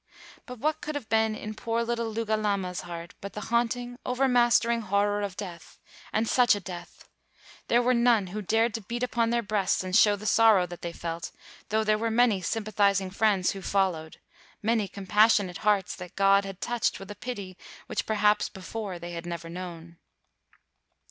But what could have been in poor little Lu galama's heart but the haunting, overmas tering horror of death — and such a death! There w r ere none who dared to beat upon their breasts and show the sorrow that they felt, though there were many sympathizing friends who followed, many compassionate 215 WHITE MAN OF WORK hearts that God had touched with a pity which perhaps before they had never known.